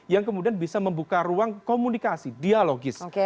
yang kemudian bisa membuka ruang komunikasi dialogis